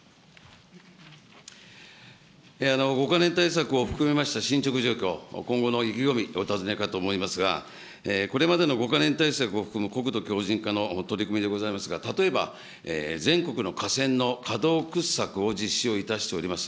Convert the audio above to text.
５か年対策を含めました進捗状況、今後の意気込み、お尋ねかと思いますが、これまでの５か年対策を含む、国土強じん化の取り組みでございますが、例えば、全国の河川の河道掘削を実施をいたしております。